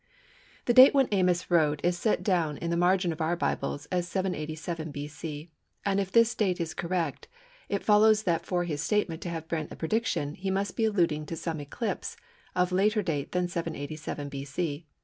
The date when Amos wrote is set down in the margin of our Bibles as 787 B.C. and if this date is correct it follows that for his statement to have been a prediction he must be alluding to some eclipse of later date than 787 B.C.